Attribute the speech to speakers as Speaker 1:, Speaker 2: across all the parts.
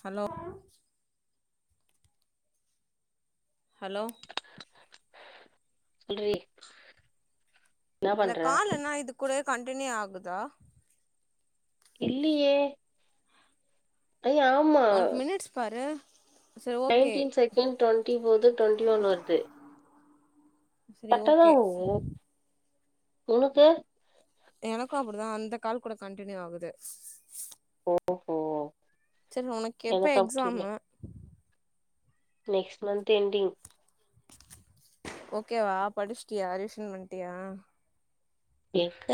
Speaker 1: Hello hello
Speaker 2: சொல்றீ
Speaker 1: அந்த call என்னா இது கூடயே கன்டினியூ ஆகுதா
Speaker 2: இல்லியே அய்யாம்
Speaker 1: ஒனக் மினிட்ஸ் பாரு சரி ஓகே
Speaker 2: நைன்டீன் செகண்ட் டுவென்டிபோது டுவன்ட்டி ஒன் வர்து
Speaker 1: சரி
Speaker 2: கர்ட்டாதா
Speaker 1: ஓகே
Speaker 2: வோவு ஒனக்கு
Speaker 1: எனக்கு அப்டிதா அந்த கால் கூட கன்டினியூ ஆகுது
Speaker 2: ஓஹோ
Speaker 1: செர் ஒனக்கு எப்ப
Speaker 2: எனக்கு அப்படி இல்லை
Speaker 1: எக்ஸாமு
Speaker 2: நெக்ஸ்ட் மந்த் என்டிங்
Speaker 1: ஓகேவா படிச்சிட்டியா ரிவிஷன் பண்ணிட்டியா
Speaker 2: எக்க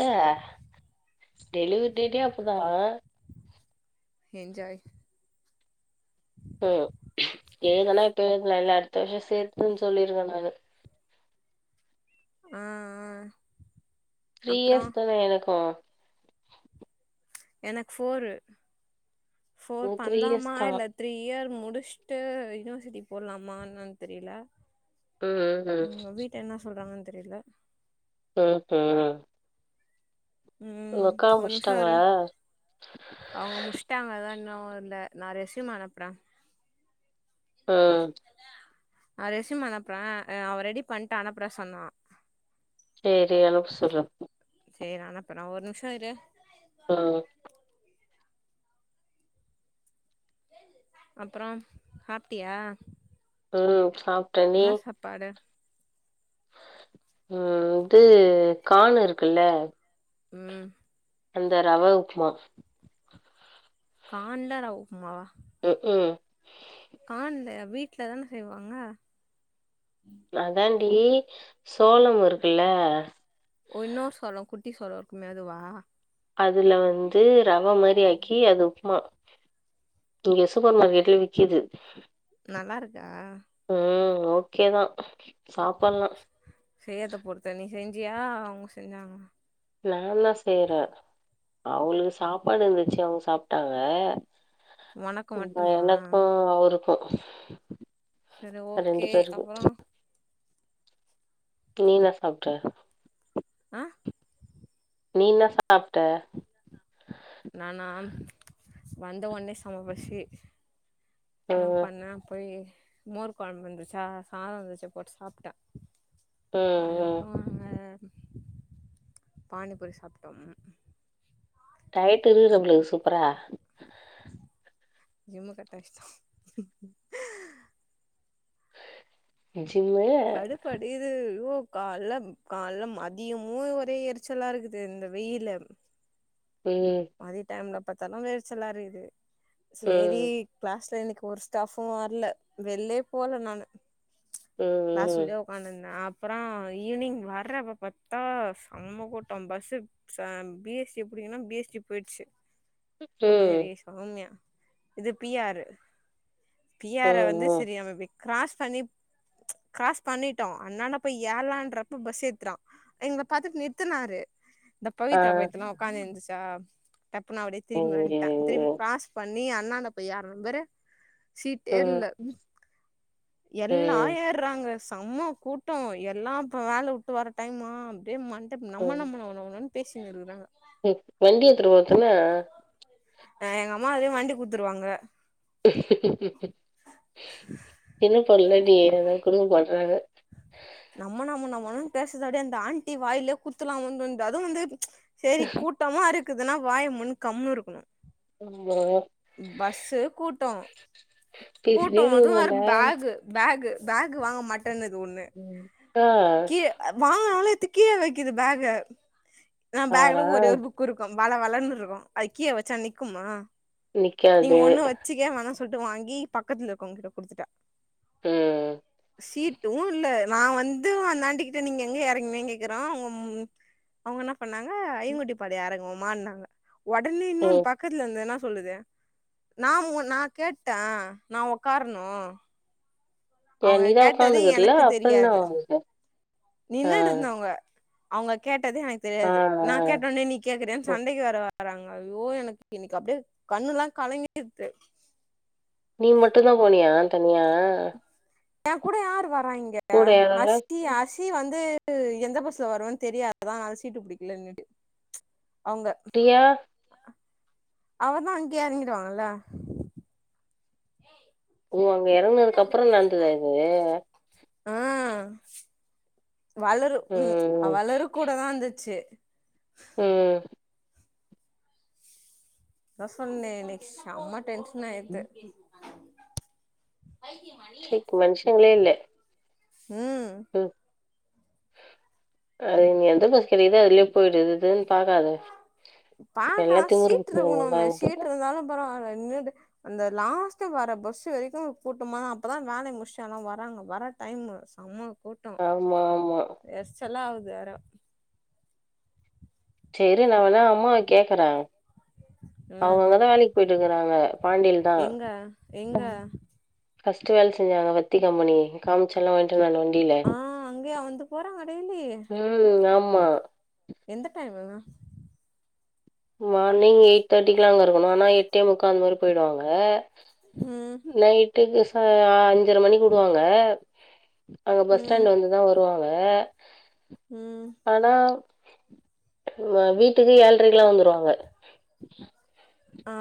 Speaker 2: டெலிவரி டேட்டே அப்போதா
Speaker 1: எஞ்ஜாய்
Speaker 2: ம் எழுதனா இப்போ எழுதலா இல்ல அடுத்த வர்ஷோ சேத்துன்னு சொல்லிர்வே நானு
Speaker 1: ஆ ஆ
Speaker 2: த்ரீ
Speaker 1: அப்றோ
Speaker 2: இயர்ஸ் தான எனக்கு
Speaker 1: எனக்கு ஃபோரு ஃபோர்
Speaker 2: த்ரீ இயர்ஸ்
Speaker 1: பண்லாமா
Speaker 2: தான்
Speaker 1: இல்ல த்ரீ இயர் முடிசுட்டு யூனிவர்சிட்டி போட்லாமான்னு என்னான்னு தெரியல
Speaker 2: ம் ம்
Speaker 1: எங்க வீட்டுல என்ன சொல்றாங்கன்னு தெரியல
Speaker 2: ம்ஹீம்
Speaker 1: ம். ஒரு நிம்ஷோ இரு
Speaker 2: முடிச்சிட்டாங்களா
Speaker 1: அவங்க முட்ஸ் விட்டாங்களா இன்னு இல்ல நா ரெஸ்யும் அனுப்புறே.
Speaker 2: ம்
Speaker 1: நா ரெஸ்யும் அனுப்புறே அவ ரெடி பண்ணிட்டா அனுப்றே சொன்னா
Speaker 2: சேரி அனுப் சொலறே
Speaker 1: சேரி அனுப்புறே ஒரு நிமிஷோ இரு
Speaker 2: ஆ
Speaker 1: அப்றோ சாப்ட்டியா
Speaker 2: உம் சாப்
Speaker 1: என்ன சாப்பாடு
Speaker 2: ம் த்து கான்னு இருக்குல்ல
Speaker 1: ம்
Speaker 2: அந்த ரவ உப்மா
Speaker 1: கான்ல ரவ உப்மாவா
Speaker 2: ம் ம்
Speaker 1: கான்லையா வீட்ல தான செய்வாங்க.
Speaker 2: அதான்டி சோளம் இருக்குல்ல
Speaker 1: ஓ இன்னொரு சோளம் குட்டி சோளம் இருக்குமே அதுவா
Speaker 2: அதுல வந்து ரவ மாரி ஆக்கி அது உப்மா இங்கே சூப்பர் மார்க்கெட்ல விக்குது
Speaker 1: நல்லாருக்கா
Speaker 2: உம் ஓகே தான் சாப்பட்லா
Speaker 1: செய்யாத பொறுத்து நீ செஞ்சாங்களா அவுங்க செஞ்சாங்களா
Speaker 2: நால்லா செய்றே அவுங்களுக்கு சாப்பாடு இருந்துச்சு அவுங்க சாப்ட்டாங்க.
Speaker 1: ஒனக்கு
Speaker 2: இப்ப
Speaker 1: மட்டுமா
Speaker 2: எனக்கு அவருக்கு
Speaker 1: செரி ஓகே அப்பறோ
Speaker 2: நீ என்ன சாப்ட்ட
Speaker 1: அ
Speaker 2: நீ இன்னா சாப்ட
Speaker 1: நானா வந்த ஒன்னே செம பசி
Speaker 2: ம்
Speaker 1: இன்னாப் பண்ணே போயி மோர் கொழம்பு இந்துசா சாதோ இந்துசு போட்டு சாப்ட்டே
Speaker 2: ம் ம்
Speaker 1: அப்றோ அங்க அ பானிபூரி சாப்ட்டம்.
Speaker 2: டயட்டு இருகுற போலகுது சூப்பரா
Speaker 1: ஜிம்ம கட்டச்டா
Speaker 2: ஜிம்மு
Speaker 1: படுப்படிர் இது ஓக் கால்லம் கால்லம் மதியமு ஒரே எரிச்சலா இருகுது இந்த வெயில்லேம்
Speaker 2: ம்
Speaker 1: மதிய டைம்ல பாத்தாலு வெரிச்சலா இருகுது
Speaker 2: ம்.
Speaker 1: சேரிக் கிளாஸ்ல இன்னைக்கு ஒரு ஸ்டாஃபு வர்ல வெள்லேப் போல நானு கிளாஸ்
Speaker 2: ம்.
Speaker 1: உள்ளியே ஒக்காணுந்தேப் அப்றோ ஈவினிங் வர்றப்ப பாத்தா செம்ம கூட்டம் பஸ்ஸுப் சாம் பி எஸ் டிப் புடிகுனாப் பி எஸ் டிப் போயிட்ச்சு
Speaker 2: ம்.
Speaker 1: சேரி சௌம்யா இதுப் பி ஆரு பி
Speaker 2: ம்.
Speaker 1: ஆர வந்து
Speaker 2: ம்.
Speaker 1: செரி நம இபிக் கிராஸ் பண்ணிப் கிராஸ் பண்ணிட்டோ அண்ணான்டப் போய் ஏர்லான்றப்ப பஸ் எத்துடா எங்ளப் பாத்துட் நிர்த்தனாரு இந்தப்
Speaker 2: ஆ.
Speaker 1: பவித்ரா பயித்யோலா ஒக்காந்திந்துசா டப்புனு அப்டியேத் திரும்பி வன்ட்டே திரும்பி
Speaker 2: ம்.
Speaker 1: கிராஸ் பண்ணி அண்ணான்டப் போய் ஏர்னம் பேரு சீட்டே
Speaker 2: ம்.
Speaker 1: இல்ல
Speaker 2: ம்.
Speaker 1: எல்லா
Speaker 2: ம்.
Speaker 1: ஏர்றாங்க செம்ம கூட்டோ எல்லா இப்ப வேல வுட்டு வர டைமா அப்டியே மண்டப் நம்ம நம்ம நம நம நமன் பேசினுருகுறாங்க
Speaker 2: ம் வண்டி எத்துடு போத்தென்னே
Speaker 1: அ எங்க அம்மா அதே வண்டி குட்த்துருவாங்க
Speaker 2: [unintelligible] குடுகும் போட்றாங்க
Speaker 1: நம்ம நம்ம நமனுன் பேசறதப்டியே அந்த ஆண்டி வாயிலேக் குத்துலாம் வந் தோண்து அது வந்து சேரிக் கூட்டமா இருக்குதுனா வாயமூன் கம்னு இருக்குணு
Speaker 2: அம்மா
Speaker 1: பஸ்ஸு கூட்டோ
Speaker 2: பேசினே
Speaker 1: கூட்டோ அது
Speaker 2: இருக்குமால்ல.
Speaker 1: வேறப் பேகு பேகு பேகு வாங்க மாட்டேன்னுது ஒன்னு
Speaker 2: ம். ஆ.
Speaker 1: கீழ அ வாங்கனாலு எத்து கீழ வெக்குது பேக நா
Speaker 2: ஆனா
Speaker 1: பேகல ஒரே ஒரு புக் குருக்கும் வழ வழன்னுருக்கு அதுக் கீழ வெச்சா நிக்குமா நீங்க
Speaker 2: நிக்காது.
Speaker 1: ஒன்னு வெச்சுகே வேணா சொல்ட்டு வாங்கி பக்கத்ல இருக்கவுங்கிட்ட குடுத்துட்டா
Speaker 2: ம்
Speaker 1: சீட்டு இல்ல நா வந்து அந்தாண்டி கிட்ட நீங்க எங்க எறங்னிங் கேக்கறோ உங்கம் அவுங்க என்னாப் பண்ணாங்க ஐங்கொட்டிப்பாளையோ ஏறங்கம்மான்னாங்க ஒடனே இன்னொன்
Speaker 2: ம்.
Speaker 1: பக்கத்ல இருந்த என்னா சொல்லுது நா மூன் நாக் கேட்டே நா ஒக்கார்ணு
Speaker 2: ஏன்
Speaker 1: அவுங்க
Speaker 2: நீ தான்
Speaker 1: கேட்டது
Speaker 2: உட்காந்துக்கிறல
Speaker 1: எனக்குத்
Speaker 2: அப்புறம் என்ன
Speaker 1: தெரியாது
Speaker 2: உனக்கு? ஆ.
Speaker 1: நின்னுடுருந்தவுங்க அவுங்க கேட்டது எனக்கு
Speaker 2: ஆ. ஆ.
Speaker 1: தெரியாது நாக் கேட்ட ஒன்னே நீக் கேக்குறியான்
Speaker 2: ம்.
Speaker 1: சண்டைக்கு வேற வராங்க ஐயோ எனக்கு இன்னைக்கு அப்டே கண்ணுலாங் கலங்கிர்த்து
Speaker 2: நீ மட்டுந்தா போனியா தனியா
Speaker 1: ஏங்கூட யார் வராய்ங்க
Speaker 2: கூட யாரும் இல்ல?
Speaker 1: [unintelligible] தி வந்து எந்த பஸ்ல வருன்னு தெரியாதா அதா சீட்டு பிடிக்கலனுட்டு அவுங்க
Speaker 2: ரியா
Speaker 1: ரியா அவா தான் அங்கயே எறங்கிடுவாங்கல்ல ஏய்
Speaker 2: ஓ அங்க எறங்கனதுக்கு அப்புறம் நடந்ததா இதுவே
Speaker 1: ஆ வளரும் உம்
Speaker 2: ம்,
Speaker 1: வளரும் கூட தான் இருந்துச்சு
Speaker 2: உம்
Speaker 1: அதா சொன்னே இன்னைக்கு செம்ம டென்ஷன் ஆயிடுத்து
Speaker 2: ம். சிக்கு மனுஷங்களே இல்ல
Speaker 1: உம்
Speaker 2: ம் அது நீ எந்த பஸ் கிடைக்குதோ அதுலயே போயிடறது
Speaker 1: பாக்கா
Speaker 2: திமிரு
Speaker 1: சீட்டு
Speaker 2: பிடிச்சவங்க
Speaker 1: இருக்கணும்ல சீட்டு
Speaker 2: தான்
Speaker 1: இருந்தாலும் பரவால்ல நின்னுட்டு அந்த லாஸ்ட் வர பஸ் வரைக்கும் கூட்டமா அப்பதான் வேலை முடிச்டு எல்லாம் வறாங்க வர டைம்மு செம கூட்
Speaker 2: ஆமா ஆமா
Speaker 1: செல்லாவது வேற
Speaker 2: சேரி நா வேனா அம்மாவ கேக்குற அவுங்க
Speaker 1: என்னது
Speaker 2: அங்கதா வேலைக்கு போயிட்டு இருக்குறாங்க பாண்டியில தான்
Speaker 1: எங்க எங்க
Speaker 2: ஃபர்ஸ்ட் வேல செஞ்சாங்க வத்தி கம்பெனி காமிச்செல்லா வாங்கிட்டு வந்தாங்கல வண்டியில
Speaker 1: ஆ அங்கயா வந்து போறாங்க டெய்லி
Speaker 2: ம் ஆமா
Speaker 1: எந்த டைம்மு வாங்குனா
Speaker 2: மார்னிங் எயிட் தேர்ட்டிக்குல்லாம் அங்க இருக்கணும் ஆனா எட்டே முக்கால் வர போயிடுவாங்க
Speaker 1: ம்
Speaker 2: நைட்டுக்கு சா அஞ்சர மணிக்கு உடுவாங்க அங்க பஸ்
Speaker 1: ம்
Speaker 2: ஸ்டாண்ட் வந்துதான் வ ருவாங்க
Speaker 1: ம்
Speaker 2: ஆனா வீட்டுக்கு ஏழ்ரைக்குலாம் வந்துருவாங்க
Speaker 1: ஆ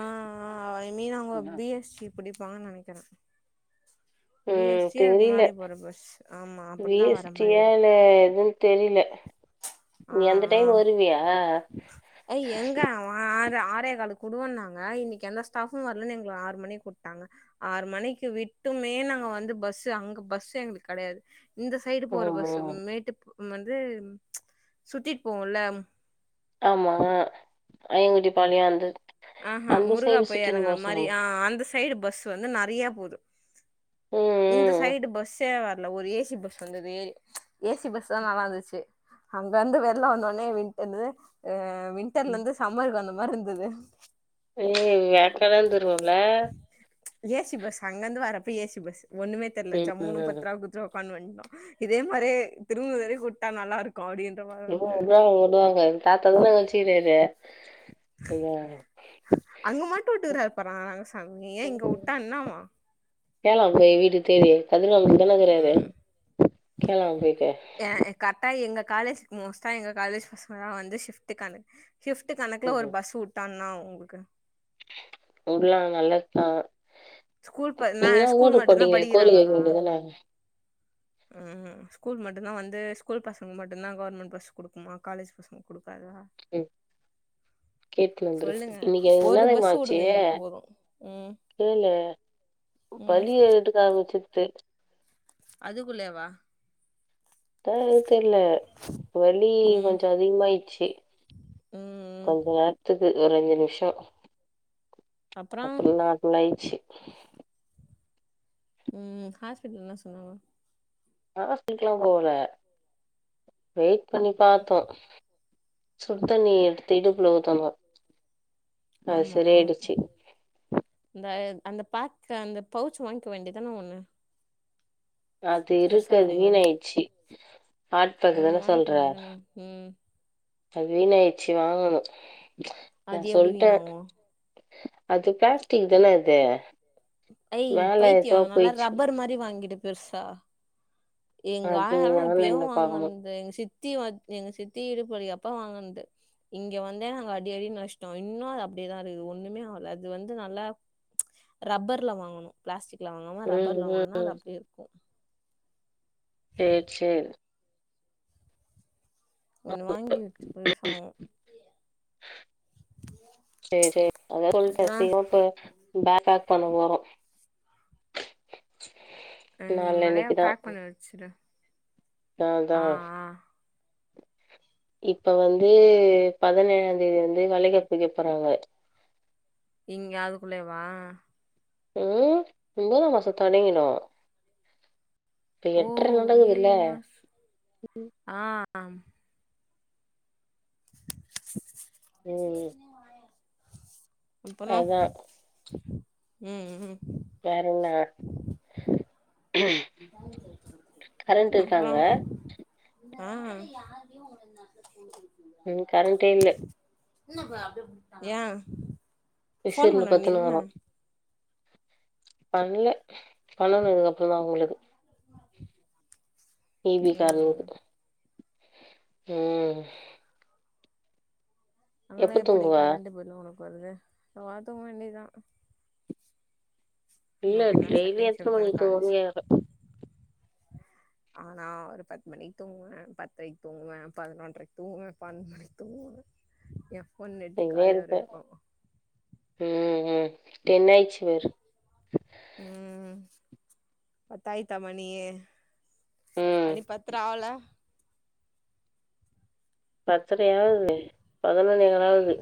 Speaker 1: ஆ ஐ மீன் அவுங்க
Speaker 2: ம்.
Speaker 1: பிஎஸ்டி புடிப்பாங்கனு நெனைக்கிற
Speaker 2: ம்
Speaker 1: பிஎஸ்டி அதுக்கு
Speaker 2: தெரியல.
Speaker 1: முன்னாடி போற பஸ் ஆமா அப்படிதான் வர மாரி வரும்
Speaker 2: எதுன் தெரியல
Speaker 1: ஆ
Speaker 2: நீ அந்த டைம்
Speaker 1: ஆ
Speaker 2: வருவியா
Speaker 1: ஏய் எங்க ஆறு ஆறேக்கால்க்கு உடுவன்னாங்க இன்னைக்கு எந்த ஸ்டாபும் வரலன்னு எங்களுக்கு ஆறு மணிக்கு உட்டாங்க ஆறு மணிக்கு விட்டுமே நாங்க வந்து பஸ்ஸு அங்க பஸ் எங்களுக்கு கெடையாது இந்த சைடு போற
Speaker 2: ஆமா.
Speaker 1: பஸ்ஸு மேட்டு வந்து சுத்தி போவோம்ல
Speaker 2: ஆமா அயங்குடி பாளையம் வந்து
Speaker 1: ஆஹா முருகா போய் இறங்குற மாரி ஆ அந்த சைடு பஸ் வந்து நெறைய போது இந்த
Speaker 2: ம், ம்.
Speaker 1: சைடு பஸ்ஸே வரல ஒரு ஏசி பஸ் வந்தது ஏசி பஸ் தான் நல்லா இருந்துச்சு அங்கயிருந்து வெள்ளம் வந்தோடனே விண்டு என்னது வின்டர்ல
Speaker 2: ம்.
Speaker 1: இருந்து சம்மருக்கு வந்த மார் இருந்தது
Speaker 2: ஐயயோ வேர்க்கலாந்துருவம்ல
Speaker 1: ஏசி பஸ் அங்கருந்து வர்றப்ப ஏசி பஸ் ஒண்ணுமே தெர்ல
Speaker 2: ம்,
Speaker 1: ஜம்முனு
Speaker 2: ம்.
Speaker 1: பத்ரூபா குடு த்து ஒக்காந்து வண்டோம் இதே மாரியே திருமூர் வரையும் வுட்டா நல்லா இருக்கும் காடியன்ட வா
Speaker 2: இனிம உடுவாங்க உடுவாங்க உங்க தாத்தா தானா வச்சிருக்குறாரு
Speaker 1: அங்க மட்டு விட்டுருகரா பாரே சாமி ஏ இங்க விட்டா என்னாவா
Speaker 2: கேலே போய் வீட்டு தேடி பதினாலதனகுறாரு கேளங்க போய்டு
Speaker 1: ஏ கரெக்டா எங்க காலேஜுக்கு மோஸ்ட்டா எங்க காலேஜ் பசங்கள வந்து ஷிஃப்டுக்கானு ஷிஃப்ட் கணக்குல ஒரு
Speaker 2: ம்ஹ்ம்.
Speaker 1: பஸ் வுட்டா என்னா அவுங்களுக்கு
Speaker 2: உடலா நல்லதுதா
Speaker 1: ஸ்கூல் ப நா
Speaker 2: நீங்களா
Speaker 1: ஸ்கூல்
Speaker 2: வோட்டு
Speaker 1: மட்டுந்தா
Speaker 2: போட்டீங்களே கோரிக்க வைக்க
Speaker 1: படிக்கிறாங்களா
Speaker 2: வேண்டியதுதான
Speaker 1: ம் ஸ்கூல் மட்டும்தா வந்து ஸ்கூல் பசங்க மட்டும்தா கவர்மெண்ட் பஸ் குடுக்குமா காலேஜ் பசங்களுக்கு குடுக்காதா
Speaker 2: ஏ கேட்டு வந்துரு
Speaker 1: சொல்லுங்க
Speaker 2: இன்னைக்கு எனக்கு என்னா
Speaker 1: ஒரு பஸ்
Speaker 2: தெரிம்மாச்சு
Speaker 1: வுடுங்க எங்களுக்கு போது ம்
Speaker 2: கேலு
Speaker 1: ம்
Speaker 2: பல்லிய எட்டுக்காமிசுச்சு
Speaker 1: அதுக்குள்ளேவா
Speaker 2: தா அ தெர்ல்ல வலி
Speaker 1: ம்
Speaker 2: கொஞ்சொ அதிகமாயிடுச்சு
Speaker 1: ம்
Speaker 2: கொஞ்ச நேர த்துக்கு ஒரு அஞ்சு நிம்ஷோ
Speaker 1: அப்றோ
Speaker 2: அப்ரோ நாள் புல்லாயிட்ச்சு
Speaker 1: ம் ஹாஸ்பிட்ல்ல சொன்னாங்கோ
Speaker 2: ஹாஸ்பிட்ல்லா போல வெயிட் பண்ணி பாத்தோ சுடுத்தண்ணிய எடுத்து இடுப்புல [unintelligible] அது
Speaker 1: ஆமா
Speaker 2: சரியாயிடுச்சு
Speaker 1: இந்த அந்த பேக்கு அந்த பவுச் வாங்க்க வேண்டியதான ஒண்ணு
Speaker 2: அது இருக்கு
Speaker 1: பெருசா
Speaker 2: அது
Speaker 1: இருக்கும் பாரு
Speaker 2: வீணா ஆயிட்ச்சி
Speaker 1: அது
Speaker 2: சாப்டது தான
Speaker 1: ஒண்ணு வாங்கிக்க
Speaker 2: சொல்ற
Speaker 1: வேண்டியதான ம்
Speaker 2: அது வீணாயிடுச்சு வாங்கணு நா
Speaker 1: அது எப்டி
Speaker 2: சொல்ட்டே
Speaker 1: வீணாவு
Speaker 2: அது பிளாஸ்டிக் தான இது
Speaker 1: ஐ பைத்தியோ நல்லா ரப்பர் மாரி வாங்கிட்டு பெருசா எங்க
Speaker 2: அது
Speaker 1: ஆயாலா எப்யோ
Speaker 2: ஆன்லைன்ல பாக்கணு
Speaker 1: வாங்கன்து எங்க சித்தி வச் எங்க சித்தி இடுபுவலி அப்ப வாங்கந்து இங்க வந்தே நாங்க அடி அடி அஸ்ட்டோ இன்னு அப்டியே தா இருக்குது ஒண்ணுமே ஆகல அது வந்து நல்லா ரப்பர்ல வாங்கனு பிளாஸ்டிக்ல வாங்காம
Speaker 2: ம்
Speaker 1: ரப்பர்ல வாங்னா அது
Speaker 2: ம்
Speaker 1: அப்டியே இருக்கூ
Speaker 2: சேரி சேர்
Speaker 1: ஒண்ணு வாங்கி வெச்சிக்கோ சொ
Speaker 2: சேரி சேரி அது வேற வன்ட்ட
Speaker 1: அப்றோ
Speaker 2: [unintelligible] பேக் பேக் பண்ண போறோ
Speaker 1: நீ முன்னாடியே
Speaker 2: நாள்ளனைக்குதா
Speaker 1: பேக் பண்ணி வச்சுரு
Speaker 2: நான் தா
Speaker 1: ஆ ஆ
Speaker 2: இப்ப வந்து பதினேழாந் தேதி வந்து வெளகாப்பு வெப் பறாங்க
Speaker 1: இங்க அதுக்குள்ளவேவா
Speaker 2: ம் ஒம்பதாமாசோ தொடங்கிடு இப்ப
Speaker 1: ஓ
Speaker 2: எட்ர நடக்குதுல்ல
Speaker 1: ஏழு மாஸ் ஆ ஆம்
Speaker 2: ம்
Speaker 1: அப்பனா
Speaker 2: அதா
Speaker 1: ம் ம்
Speaker 2: வேறென்ன கரண்ட்
Speaker 1: அப்ரோ
Speaker 2: இருக்காங்க
Speaker 1: ஆ
Speaker 2: ம் கரண்ட்டே இல்ல
Speaker 1: ய போன்
Speaker 2: விசிறுனு
Speaker 1: பண்ண நீ
Speaker 2: பத்துன்னு
Speaker 1: தான
Speaker 2: வரோ பண்ல பண்ணணு இதுக் அப்ரோதா அவுங்களுக்கு டீவி
Speaker 1: ம்
Speaker 2: கார்னுங்க ம்
Speaker 1: அங்கெல்லா
Speaker 2: எப்ப
Speaker 1: எப்படி
Speaker 2: தூங்குவ
Speaker 1: கரண்ட் பில்லு உனக்கு வருது பாத்துக்க வேண்டியத்தா
Speaker 2: இல்ல
Speaker 1: நமக்கு என்ன
Speaker 2: டெய்லியு
Speaker 1: செகண்ட்
Speaker 2: எத்தன
Speaker 1: ஷிப்ட் தான
Speaker 2: மணிக்கு
Speaker 1: காலேஜ்
Speaker 2: தூங்கு
Speaker 1: நானா ஒரு பத்து மணிக்கு தூங்குவ பத்தரைக் தூங்குவ பதினொன்ரைக் தூங்குவ பன்னணடு மணிக்கு தூங்குவ எப்
Speaker 2: எங்கியோ இருப்ப ம்ம்ம் டென் ஆயிச்சி பாரு
Speaker 1: ம் பத்தாயித்த மணி
Speaker 2: ம்
Speaker 1: மணி பத்தரை ஆவல
Speaker 2: பத்தரையா ஆகுது பதினொன்னேகால் ஆவுது